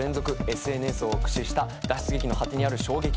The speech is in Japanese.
ＳＮＳを駆使した脱出劇の果てにある衝撃の結末とは？